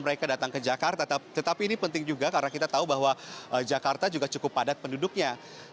mereka datang ke jakarta tetapi ini penting juga karena kita tahu bahwa jakarta juga cukup padat penduduknya